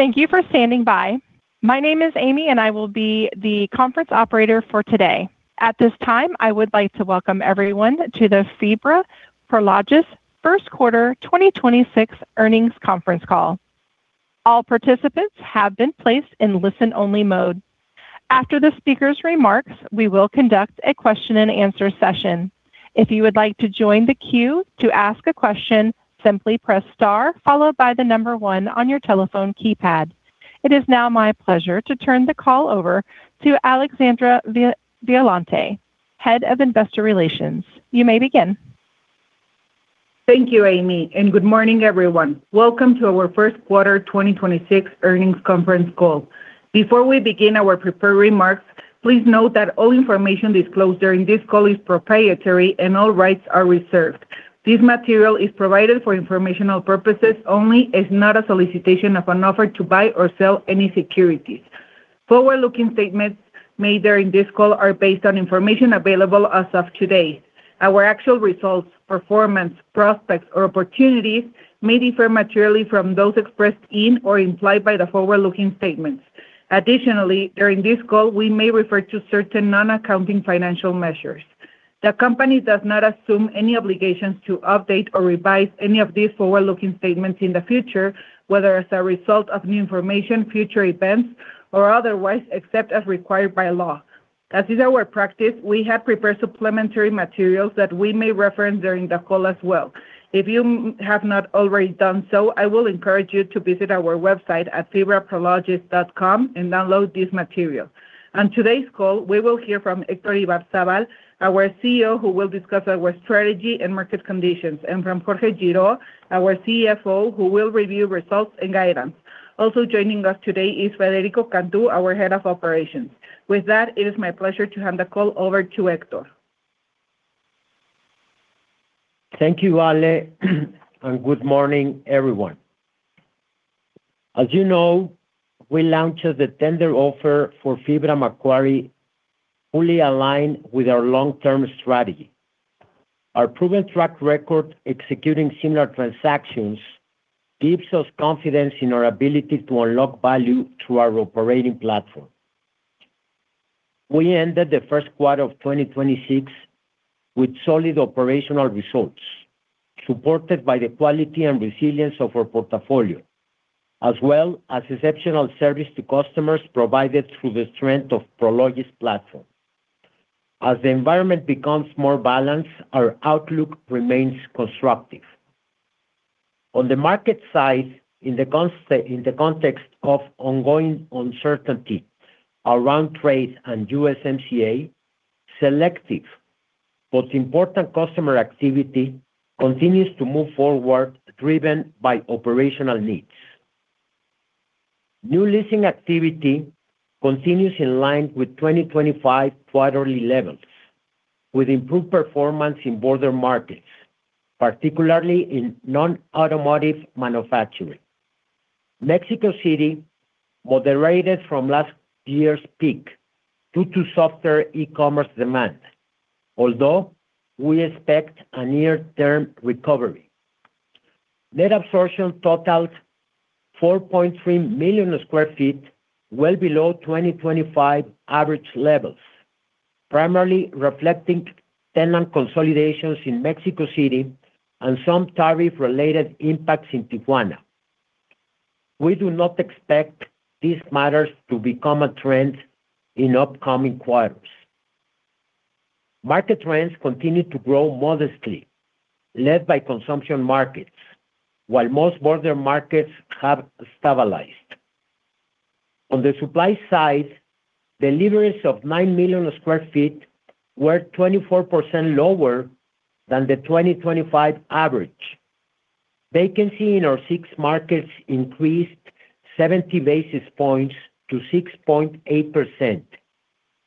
Thank you for standing by. My name is Amy, and I will be the conference operator for today. At this time, I would like to welcome everyone to the FIBRA Prologis First Quarter 2026 Earnings Conference Call. All participants have been placed in listen-only mode. After the speaker's remarks, we will conduct a question-and-answer session. If you would like to join the queue to ask a question, simply press star followed by the number one on your telephone keypad. It is now my pleasure to turn the call over to Alexandra Violante, Head of Investor Relations. You may begin. Thank you, Amy, and good morning, everyone. Welcome to our first quarter 2026 earnings conference call. Before we begin our prepared remarks, please note that all information disclosed during this call is proprietary and all rights are reserved. This material is provided for informational purposes only, is not a solicitation of an offer to buy or sell any securities. Forward-looking statements made during this call are based on information available as of today. Our actual results, performance, prospects, or opportunities may differ materially from those expressed in or implied by the forward-looking statements. Additionally, during this call, we may refer to certain non-accounting financial measures. The company does not assume any obligations to update or revise any of these forward-looking statements in the future, whether as a result of new information, future events, or otherwise, except as required by law. As is our practice, we have prepared supplementary materials that we may reference during the call as well. If you have not already done so, I will encourage you to visit our website at fibraprologis.com and download this material. On today's call, we will hear from Héctor Ibarzabal, our CEO, who will discuss our strategy and market conditions, and from Jorge Girault, our CFO, who will review results and guidance. Also joining us today is Federico Cantú, our Head of Operations. With that, it is my pleasure to hand the call over to Héctor. Thank you, Ale, and good morning, everyone. As you know, we launched the tender offer for FIBRA Macquarie fully aligned with our long-term strategy. Our proven track record executing similar transactions gives us confidence in our ability to unlock value through our operating platform. We ended the first quarter of 2026 with solid operational results, supported by the quality and resilience of our portfolio, as well as exceptional service to customers provided through the strength of Prologis platform. As the environment becomes more balanced, our outlook remains constructive. On the market side, in the context of ongoing uncertainty around trade and USMCA, selective, but important customer activity continues to move forward, driven by operational needs. New leasing activity continues in line with 2025 quarterly levels, with improved performance in border markets, particularly in non-automotive manufacturing. Mexico City moderated from last year's peak due to softer e-commerce demand, although we expect a near-term recovery. Net absorption totaled 4.3 million sq ft, well below 2025 average levels, primarily reflecting tenant consolidations in Mexico City and some tariff-related impacts in Tijuana. We do not expect these matters to become a trend in upcoming quarters. Market rents continue to grow modestly, led by consumption markets, while most border markets have stabilized. On the supply side, deliveries of 9 million sq ft were 24% lower than the 2025 average. Vacancy in our six markets increased 70 basis points to 6.8%,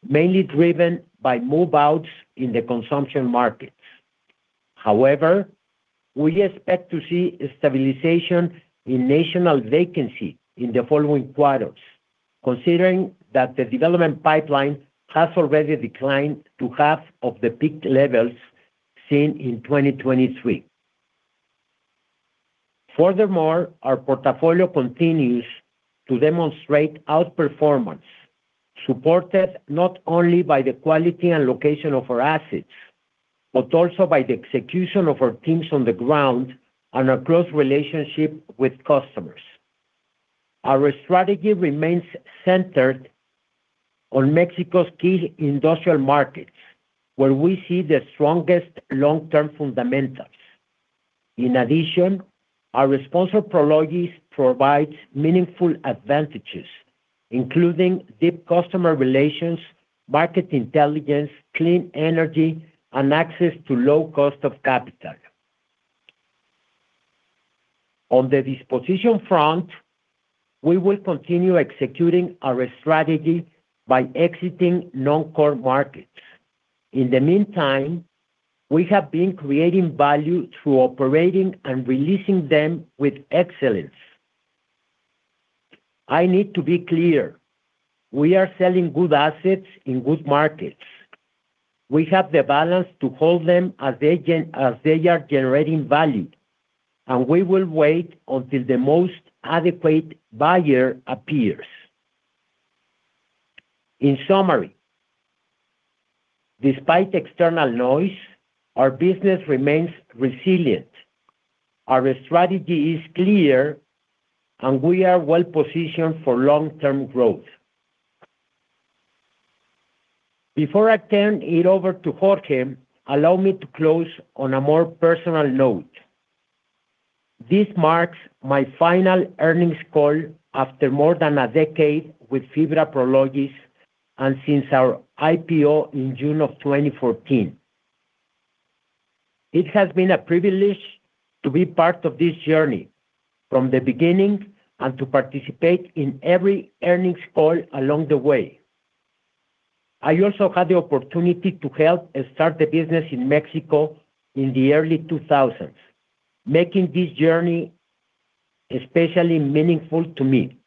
mainly driven by move-outs in the consumption markets. We expect to see stabilization in national vacancy in the following quarters, considering that the development pipeline has already declined to half of the peak levels seen in 2023. Furthermore, our portfolio continues to demonstrate outperformance, supported not only by the quality and location of our assets, but also by the execution of our teams on the ground and our close relationship with customers. Our strategy remains centered on Mexico's key industrial markets, where we see the strongest long-term fundamentals. In addition, our sponsor, Prologis, provides meaningful advantages, including deep customer relations, market intelligence, clean energy, and access to low cost of capital. On the disposition front, we will continue executing our strategy by exiting non-core markets. In the meantime, we have been creating value through operating and releasing them with excellence. I need to be clear, we are selling good assets in good markets. We have the balance to hold them as they are generating value, and we will wait until the most adequate buyer appears. In summary, despite external noise, our business remains resilient. Our strategy is clear, and we are well-positioned for long-term growth. Before I turn it over to Jorge, allow me to close on a more personal note. This marks my final earnings call after more than a decade with FIBRA Prologis and since our IPO in June 2014. It has been a privilege to be part of this journey from the beginning and to participate in every earnings call along the way. I also had the opportunity to help and start the business in Mexico in the early 2000s, making this journey especially meaningful to me.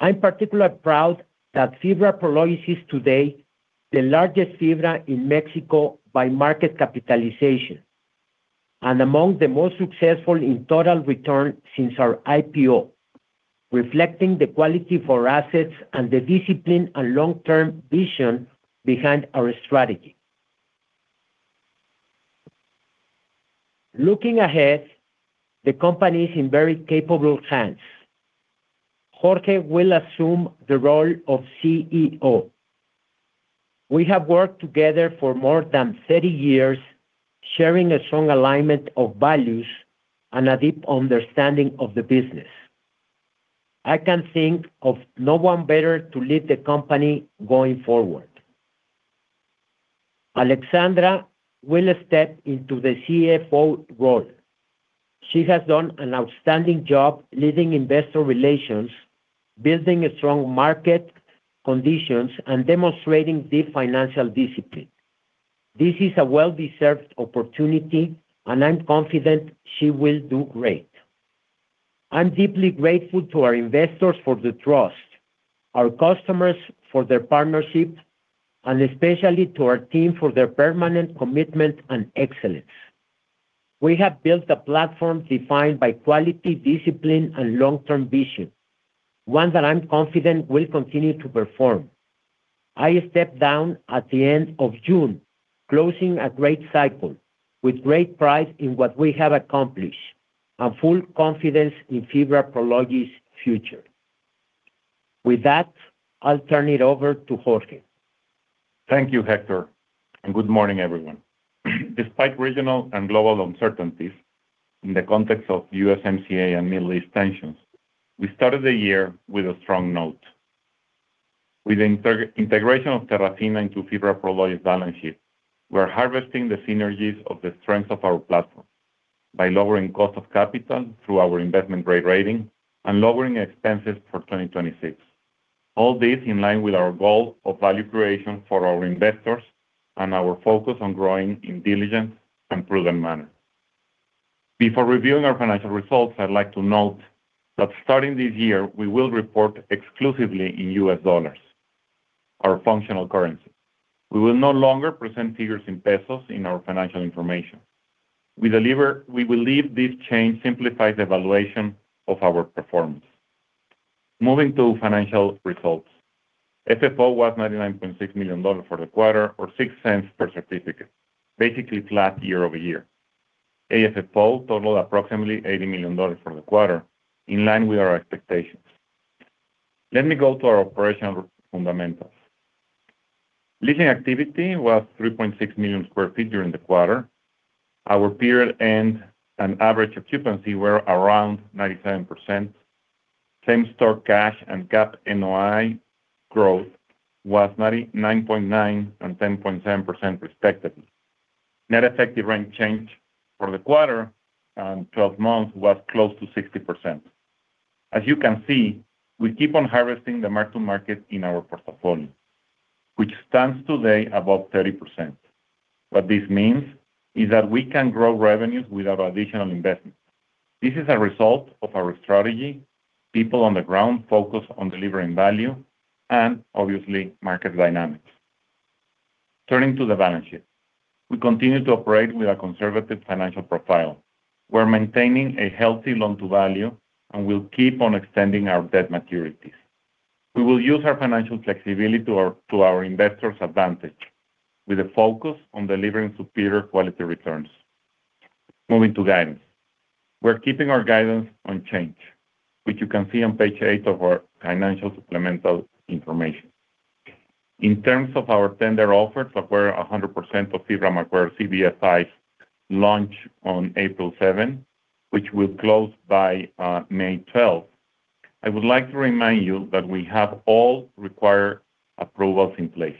I'm particularly proud that FIBRA Prologis is today the largest FIBRA in Mexico by market capitalization and among the most successful in total return since our IPO, reflecting the quality of assets and the discipline and long-term vision behind our strategy. Looking ahead, the company is in very capable hands. Jorge will assume the role of CEO. We have worked together for more than 30 years, sharing a strong alignment of values and a deep understanding of the business. I can think of no one better to lead the company going forward. Alexandra will step into the CFO role. She has done an outstanding job leading investor relations, building strong market conditions, and demonstrating deep financial discipline. This is a well-deserved opportunity, and I'm confident she will do great. I'm deeply grateful to our investors for the trust, our customers for their partnership, and especially to our team for their permanent commitment and excellence. We have built a platform defined by quality, discipline, and long-term vision, one that I'm confident will continue to perform. I step down at the end of June, closing a great cycle with great pride in what we have accomplished and full confidence in FIBRA Prologis future. With that, I'll turn it over to Jorge. Thank you, Héctor, and good morning, everyone. Despite regional and global uncertainties in the context of USMCA and Middle East tensions, we started the year with a strong note. With the integration of Terrafina into FIBRA Prologis balance sheet, we're harvesting the synergies of the strength of our platform by lowering cost of capital through our investment-grade rating and lowering expenses for 2026. All this in line with our goal of value creation for our investors and our focus on growing in diligent and prudent manner. Before reviewing our financial results, I'd like to note that starting this year, we will report exclusively in U.S. dollars, our functional currency. We will no longer present figures in pesos in our financial information. We believe this change simplifies evaluation of our performance. Moving to financial results. FFO was $99.6 million for the quarter or $0.06 per certificate, basically flat year-over-year. AFFO totaled approximately $80 million for the quarter, in line with our expectations. Let me go to our operational fundamentals. Leasing activity was 3.6 million sq ft during the quarter. Our period and an average occupancy were around 97%. Same-store cash and GAAP NOI growth was 99.9% and 10.10% respectively. Net effective rent change for the quarter and 12 months was close to 60%. As you can see, we keep on harvesting the mark-to-market in our portfolio, which stands today above 30%. What this means is that we can grow revenues without additional investment. This is a result of our strategy, people on the ground focused on delivering value, and obviously, market dynamics. Turning to the balance sheet. We continue to operate with a conservative financial profile. We're maintaining a healthy loan-to-value, and we'll keep on extending our debt maturities. We will use our financial flexibility to our investors' advantage with a focus on delivering superior quality returns. Moving to guidance, we're keeping our guidance unchanged, which you can see on page eight of our financial supplemental information. In terms of our tender offer to acquire 100% of FIBRA Macquarie's CBFIs launch on April 7th, which will close by May 12th, I would like to remind you that we have all required approvals in place.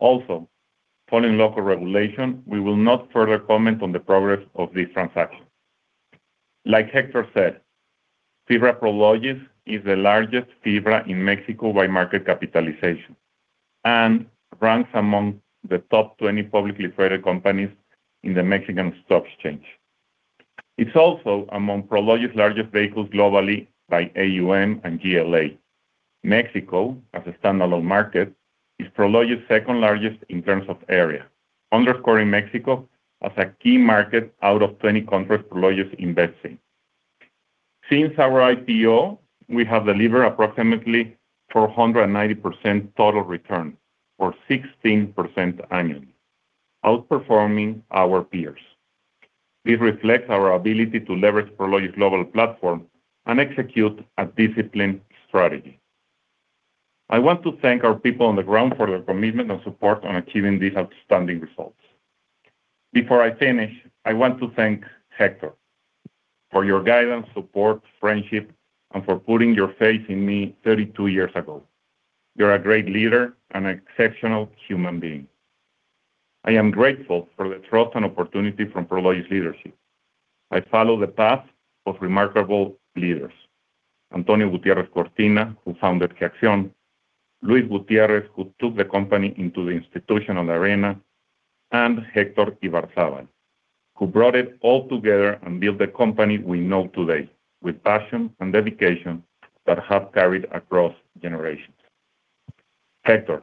Following local regulation, we will not further comment on the progress of this transaction. Like Héctor said, FIBRA Prologis is the largest FIBRA in Mexico by market capitalization and ranks among the top 20 publicly traded companies in the Mexican stock exchange. It's also among Prologis' largest vehicles globally by AUM and GLA. Mexico, as a standalone market, is Prologis' second largest in terms of area, underscoring Mexico as a key market out of 20 countries Prologis invests in. Since our IPO, we have delivered approximately 490% total return, or 16% annually, outperforming our peers. This reflects our ability to leverage Prologis' global platform and execute a disciplined strategy. I want to thank our people on the ground for their commitment and support on achieving these outstanding results. Before I finish, I want to thank Héctor for your guidance, support, friendship, and for putting your faith in me 32 years ago. You're a great leader and exceptional human being. I am grateful for the trust and opportunity from Prologis leadership. I follow the path of remarkable leaders. Antonio Gutiérrez Cortina, who founded Acción, Luis Gutiérrez, who took the company into the institutional arena, and Héctor Ibarzabal, who brought it all together and built the company we know today with passion and dedication that have carried across generations. Héctor,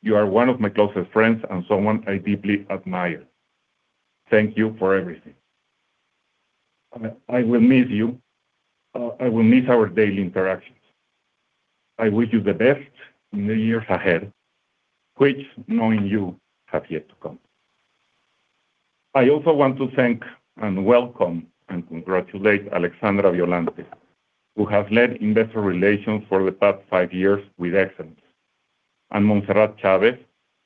you are one of my closest friends and someone I deeply admire. Thank you for everything. I will miss you. I will miss our daily interactions. I wish you the best in the years ahead, which, knowing you, have yet to come. I also want to thank, and welcome, and congratulate Alexandra Violante, who has led investor relations for the past five years with excellence. Montserrat Chávez,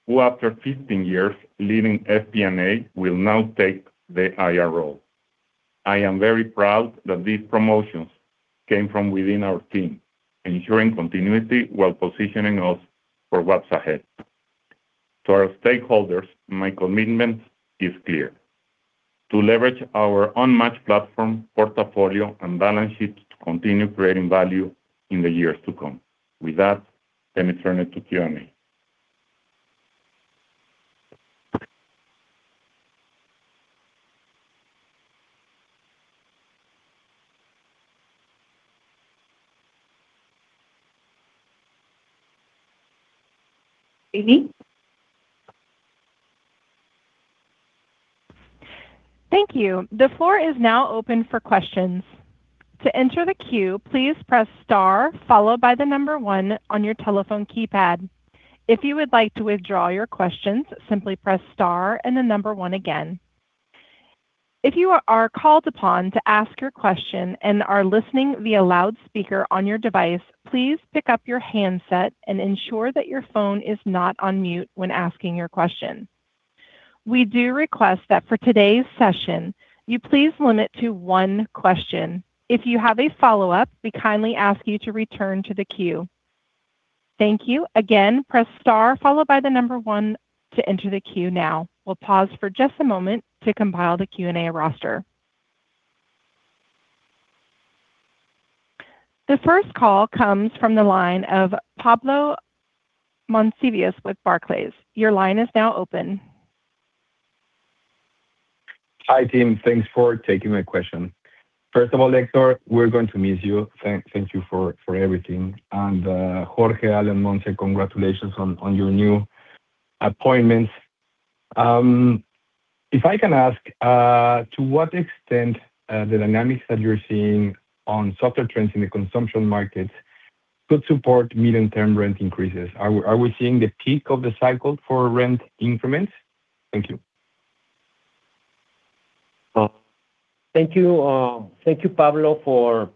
who after 15 years leading FP&A, will now take the IR role. I am very proud that these promotions came from within our team, ensuring continuity while positioning us for what's ahead. To our stakeholders, my commitment is clear: To leverage our unmatched platform, portfolio, and balance sheet to continue creating value in the years to come. With that, let me turn it to Q&A. Amy? Thank you. The floor is now open for questions. To enter the queue, please press star followed by the number one on your telephone keypad. If you would like to withdraw your questions, simply press star and then number one again. If you are called upon to ask your question and are listening via loudspeaker on your device, please pick up your handset and ensure that your phone is not on mute when asking your question. We do request that for today's session, you please limit to one question. If you have a follow-up, we kindly ask you to return to the queue. Thank you. Again, press star followed by one to enter the queue now. We'll pause for just a moment to compile the Q&A roster. The first call comes from the line of Pablo Monsivais with Barclays. Your line is now open. Hi, team. Thanks for taking my question. First of all, Héctor, we're going to miss you. Thank you for everything. Jorge Girault, congratulations on your new appointments. If I can ask, to what extent the dynamics that you're seeing on softer trends in the consumption markets could support medium-term rent increases? Are we seeing the peak of the cycle for rent increments? Thank you. Thank you, Pablo, for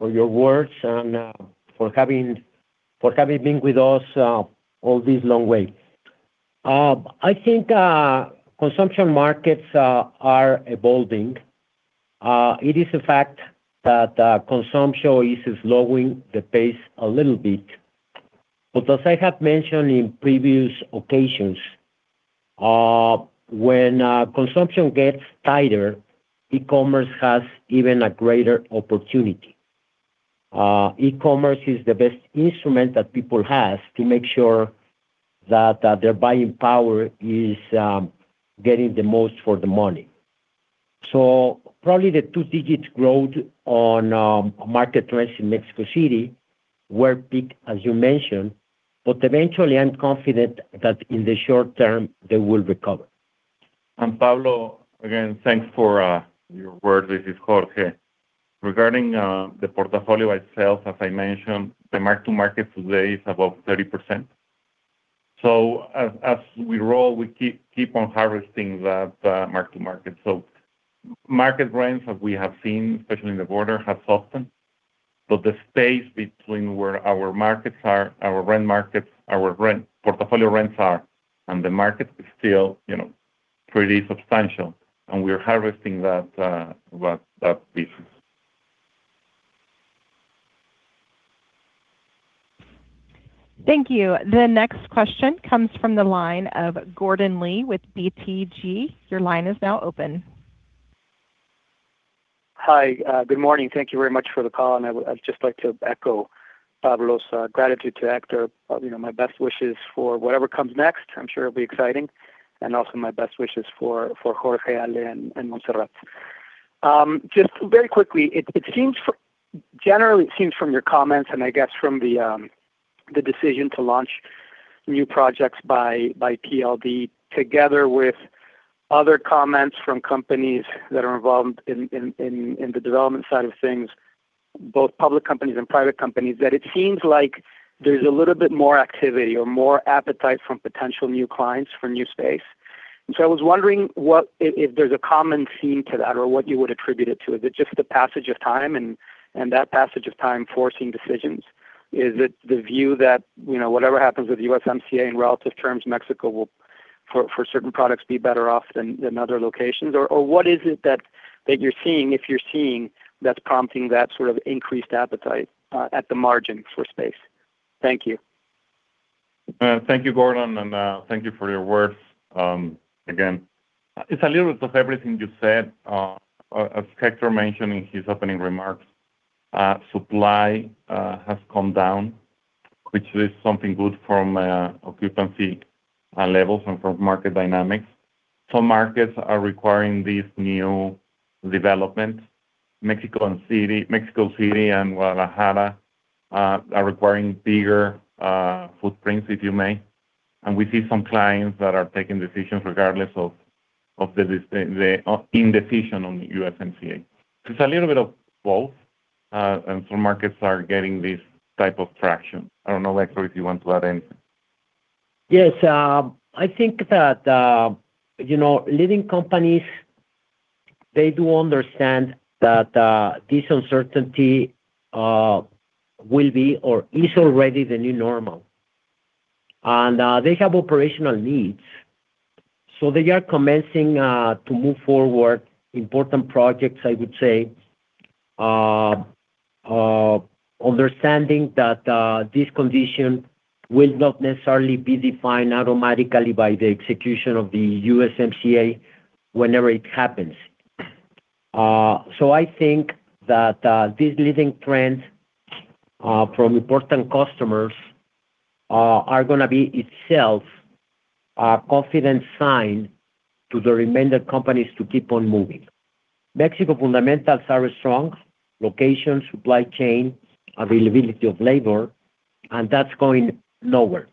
your words and for having been with us all this long way. I think consumption markets are evolving. It is a fact that consumption is slowing the pace a little bit. As I have mentioned in previous occasions, when consumption gets tighter, e-commerce has even a greater opportunity. E-commerce is the best instrument that people have to make sure that their buying power is getting the most for the money. Probably the two-digit growth on market rents in Mexico City were big, as you mentioned, but eventually I'm confident that in the short term, they will recover. Pablo, again, thanks for your words. This is Jorge. Regarding the portfolio itself, as I mentioned, the mark-to-market today is above 30%. As we roll, we keep on harvesting the mark-to-market. Market rents, as we have seen, especially in the border, have softened. The space between where our markets are, our rent markets, our rent portfolio rents are, and the market is still, you know, pretty substantial, and we are harvesting that business. Thank you. The next question comes from the line of Gordon Lee with BTG. Your line is now open. Hi, good morning. Thank you very much for the call, and I'd just like to echo Pablo's gratitude to Héctor. You know, my best wishes for whatever comes next. I'm sure it'll be exciting. Also my best wishes for Jorge, Ale, and Montserrat. Just very quickly, generally it seems from your comments and I guess from the decision to launch new projects by PLD together with other comments from companies that are involved in the development side of things, both public companies and private companies, that it seems like there's a little bit more activity or more appetite from potential new clients for new space. I was wondering if there's a common theme to that or what you would attribute it to. Is it just the passage of time and that passage of time forcing decisions? Is it the view that, you know, whatever happens with USMCA, in relative terms Mexico will for certain products be better off than other locations? Or what is it that you're seeing, if you're seeing, that's prompting that sort of increased appetite, at the margin for space? Thank you. Thank you Gordon, and thank you for your words, again. It's a little bit of everything you said. As Héctor mentioned in his opening remarks, supply has come down, which is something good from occupancy levels and from market dynamics. Some markets are requiring these new development. Mexico City and Guadalajara are requiring bigger footprints if you may. We see some clients that are taking decisions regardless of the indecision on the USMCA. It's a little bit of both, and some markets are getting this type of traction. I don't know, Héctor, if you want to add anything. Yes. I think that, you know, leading companies, they do understand that this uncertainty will be or is already the new normal. They have operational needs, so they are commencing to move forward important projects, I would say, understanding that this condition will not necessarily be defined automatically by the execution of the USMCA whenever it happens. I think that this leading trend from important customers are gonna be itself a confident sign to the remainder companies to keep on moving. Mexico fundamentals are strong, location, supply chain, availability of labor, and that's going nowhere.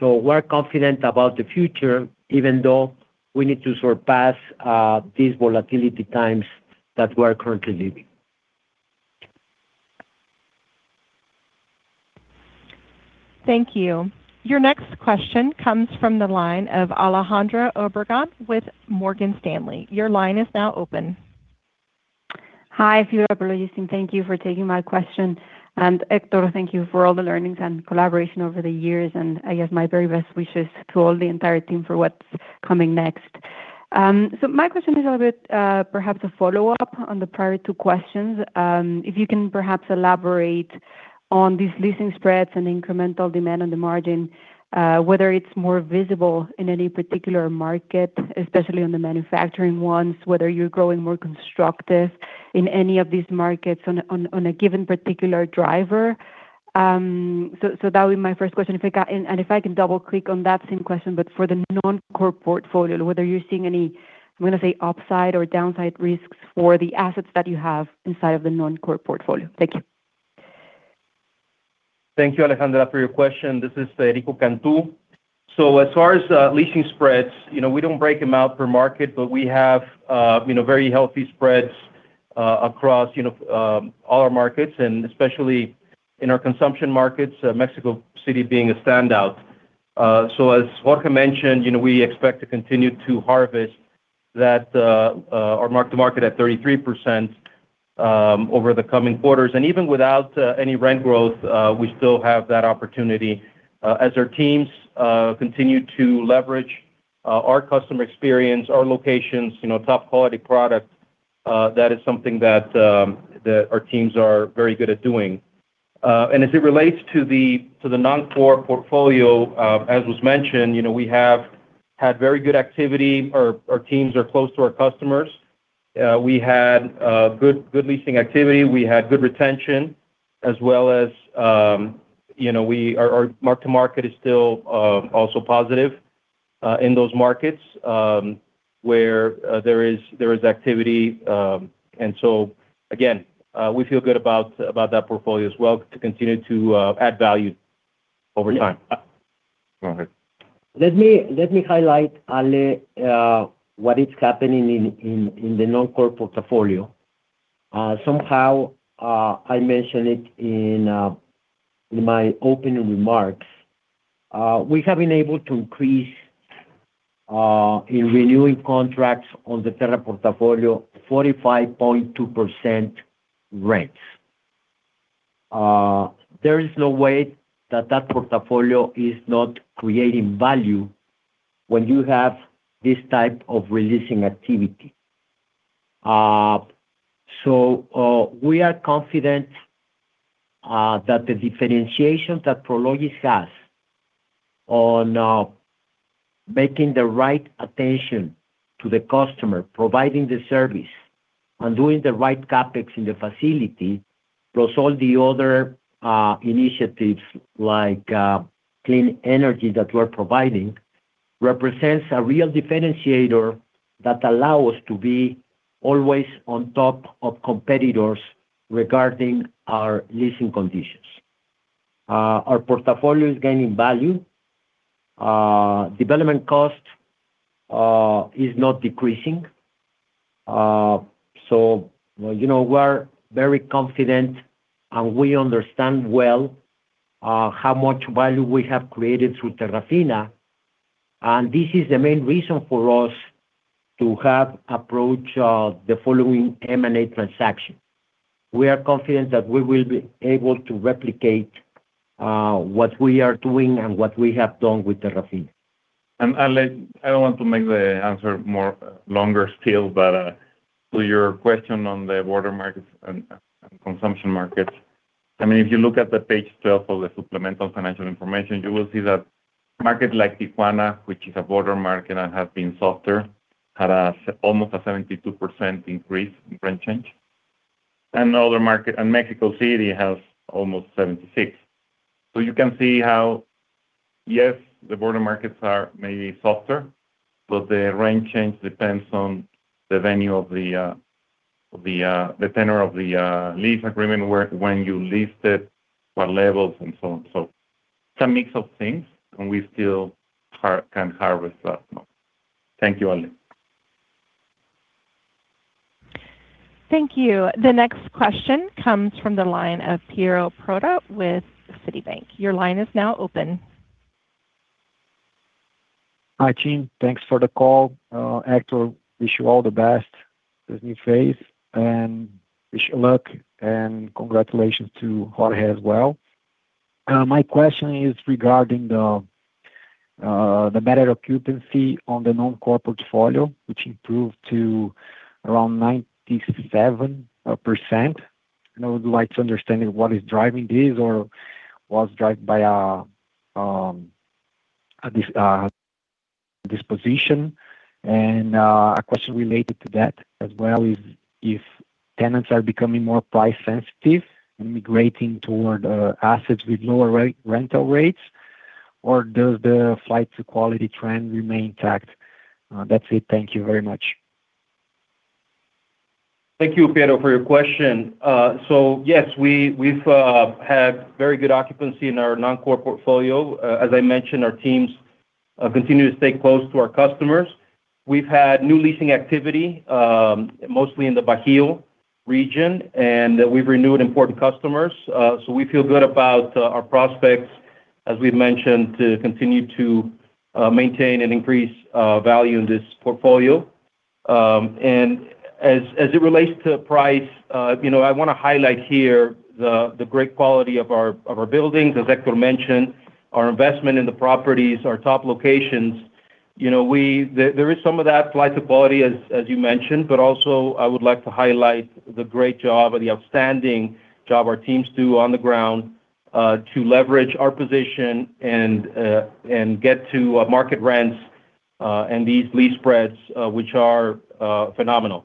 We're confident about the future even though we need to surpass these volatility times that we're currently living. Thank you. Your next question comes from the line of Alejandra Obregón with Morgan Stanley. Your line is now open. Hi. If you are producing, thank you for taking my question. Héctor, thank you for all the learnings and collaboration over the years, and I guess my very best wishes to all the entire team for what's coming next. My question is a little bit, perhaps a follow-up on the prior two questions. If you can perhaps elaborate on these leasing spreads and incremental demand on the margin, whether it's more visible in any particular market, especially on the manufacturing ones, whether you're growing more constructive in any of these markets on a given particular driver. That would be my first question if I got... If I can double-click on that same question, but for the non-core portfolio, whether you're seeing any, I'm gonna say upside or downside risks for the assets that you have inside of the non-core portfolio. Thank you. Thank you, Alejandra, for your question. This is Federico Cantú. As far as leasing spreads, you know, we don't break them out per market, but we have, you know, very healthy spreads across, you know, all our markets and especially in our consumption markets, Mexico City being a standout. As Jorge mentioned, you know, we expect to continue to harvest that our mark-to-market at 33% over the coming quarters. Even without any rent growth, we still have that opportunity as our teams continue to leverage our customer experience, our locations, you know, top quality product that is something that our teams are very good at doing. As it relates to the non-core portfolio, as was mentioned, you know, we have had very good activity. Our teams are close to our customers. We had good leasing activity. We had good retention as well as, you know, our mark-to-market is still also positive in those markets where there is activity. Again, we feel good about that portfolio as well to continue to add value over time. Yeah. Go ahead. Let me highlight, Ale, what is happening in the non-core portfolio. Somehow, I mentioned it in my opening remarks. We have been able to increase in renewing contracts on the Terrafina portfolio 45.2% rents. There is no way that portfolio is not creating value when you have this type of re-leasing activity. We are confident that the differentiation that Prologis has on making the right attention to the customer, providing the service, and doing the right CapEx in the facility, plus all the other initiatives like clean energy that we're providing, represents a real differentiator that allow us to be always on top of competitors regarding our leasing conditions. Our portfolio is gaining value. Development cost is not decreasing. You know, we're very confident, and we understand well how much value we have created through Terrafina. This is the main reason for us to have approached the following M&A transaction. We are confident that we will be able to replicate what we are doing and what we have done with Terrafina. I don't want to make the answer more longer still, but to your question on the border markets and consumption markets, I mean, if you look at the page 12 of the supplemental financial information, you will see that markets like Tijuana, which is a border market and have been softer, had almost a 72% increase in rent change. The other market, Mexico City has almost 76%. So you can see how, yes, the border markets are maybe softer, but the rent change depends on the venue of the tenor of the lease agreement where when you leased it, what levels and so on. So it's a mix of things, and we still can harvest that. Thank you, Ale. Thank you. The next question comes from the line of Piero Trotta with Citibank. Your line is now open. Hi, team. Thanks for the call. Héctor, I wish you all the best in this new phase, and I wish you luck and congratulations to Jorge as well. My question is regarding the matter of occupancy on the non-core portfolio, which improved to around 97%. I would like to understand what is driving this or was driven by this position. A question related to that as well is if tenants are becoming more price sensitive, migrating toward assets with lower rental rates, or does the flight to quality trend remain intact? That's it. Thank you very much. Thank you, Piero, for your question. Yes, we've had very good occupancy in our non-core portfolio. As I mentioned, our teams continue to stay close to our customers. We've had new leasing activity, mostly in the Bajío region, and we've renewed important customers. We feel good about our prospects, as we've mentioned, to continue to maintain and increase value in this portfolio. As it relates to price, you know, I wanna highlight here the great quality of our buildings. As Héctor mentioned, our investment in the properties are top locations. You know, there is some of that flight to quality as you mentioned, but also I would like to highlight the great job or the outstanding job our teams do on the ground to leverage our position and get to market rents and these lease spreads, which are phenomenal.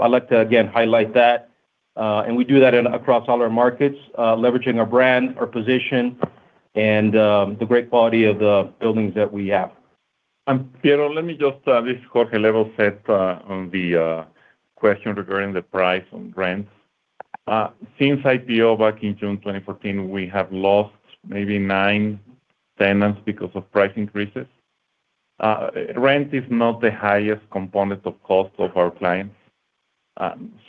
I'd like to again highlight that. We do that across all our markets, leveraging our brand, our position, and the great quality of the buildings that we have. Piero, let me just. This is Jorge Girault on the question regarding the price on rents. Since IPO back in June 2014, we have lost maybe nine tenants because of price increases. Rent is not the highest component of cost of our clients.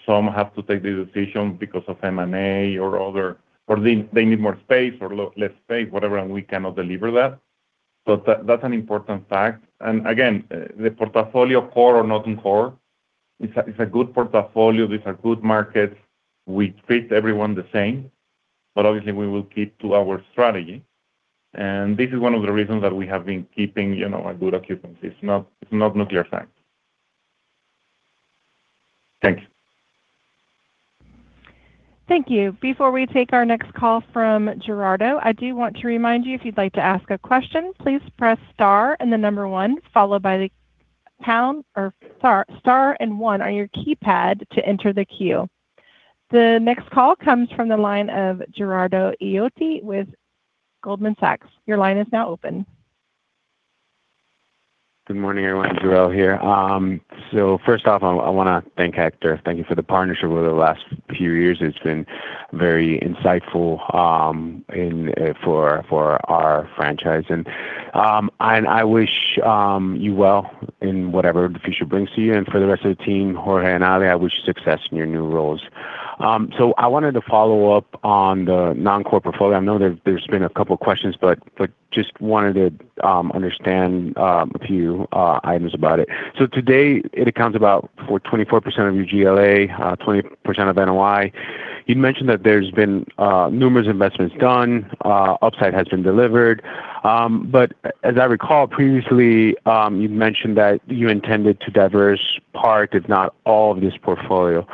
Some have to take the decision because of M&A or they need more space or less space, whatever, and we cannot deliver that. That's an important fact. Again, the core or non-core portfolio, it's a good portfolio. These are good markets. We treat everyone the same, but obviously we will keep to our strategy. This is one of the reasons that we have been keeping, you know, a good occupancy. It's not nuclear science. Thank you. Thank you. Before we take our next call from Jorel Guilloty, I do want to remind you, if you'd like to ask a question, please press star and the number one followed by the pound or star and one on your keypad to enter the queue. The next call comes from the line of Jorel Guilloty with Goldman Sachs. Your line is now open. Good morning, everyone. Jorel here. First off, I wanna thank Héctor. Thank you for the partnership over the last few years. It's been very insightful for our franchise. I wish you well in whatever the future brings to you. For the rest of the team, Jorge and Ale, I wish you success in your new roles. I wanted to follow up on the non-core portfolio. I know there's been a couple of questions, but just wanted to understand a few items about it. Today it accounts for about 24% of your GLA, 20% of NOI. You mentioned that there's been numerous investments done. Upside has been delivered. As I recall previously, you mentioned that you intended to divest part, if not all of this portfolio.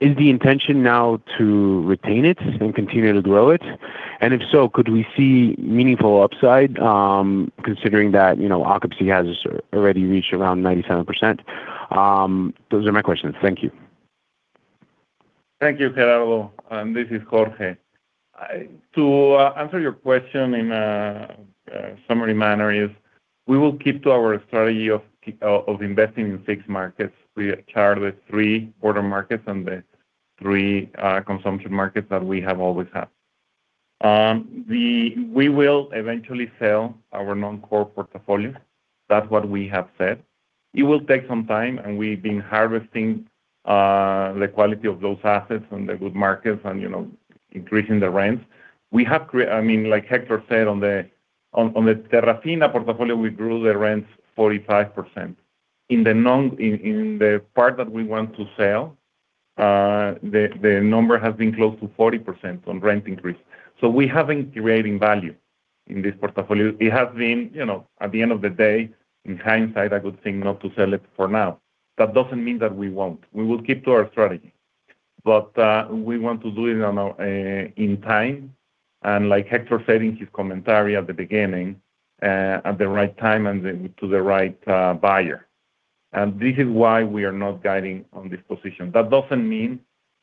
Is the intention now to retain it and continue to grow it? If so, could we see meaningful upside, considering that, you know, occupancy has already reached around 97%? Those are my questions. Thank you. Thank you, Jorel. This is Jorge. To answer your question in a summary manner is we will keep to our strategy of investing in fixed markets. We target three border markets and the three consumption markets that we have always had. We will eventually sell our non-core portfolio. That's what we have said. It will take some time, and we've been harvesting the quality of those assets and the good markets and, you know, increasing the rents. We have, I mean, like Héctor said on the Terrafina portfolio, we grew the rents 45%. In the part that we want to sell, the number has been close to 40% on rent increase. We have been creating value in this portfolio. It has been, you know, at the end of the day, in hindsight, a good thing not to sell it for now. That doesn't mean that we won't. We will keep to our strategy. We want to do it at a time, and like Héctor said in his commentary at the beginning, at the right time and then to the right buyer. This is why we are not guiding on this position. That doesn't mean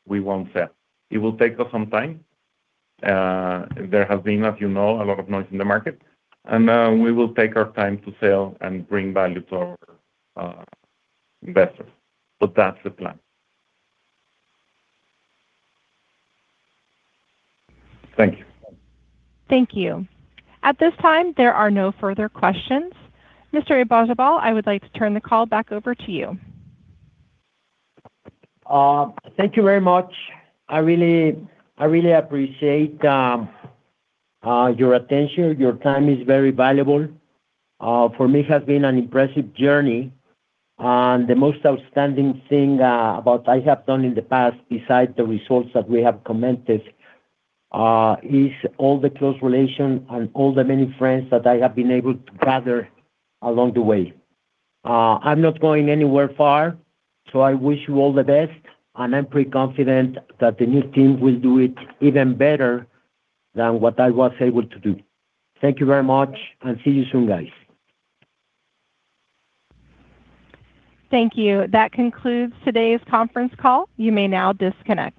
we won't sell. It will take us some time. There has been, as you know, a lot of noise in the market. We will take our time to sell and bring value to our investors. That's the plan. Thank you. Thank you. At this time, there are no further questions. Mr. Ibarzabal, I would like to turn the call back over to you. Thank you very much. I really, I really appreciate your attention. Your time is very valuable. For me has been an impressive journey. The most outstanding thing about I have done in the past, besides the results that we have commented, is all the close relation and all the many friends that I have been able to gather along the way. I'm not going anywhere far, so I wish you all the best, and I'm pretty confident that the new team will do it even better than what I was able to do. Thank you very much, and see you soon, guys. Thank you. That concludes today's conference call. You may now disconnect.